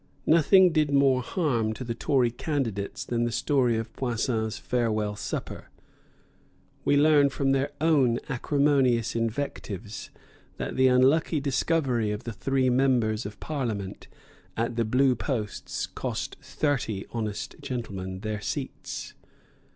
Nothing did more harm to the Tory candidates than the story of Poussin's farewell supper. We learn from their own acrimonious invectives that the unlucky discovery of the three members of Parliament at the Blue Posts cost thirty honest gentlemen their seats.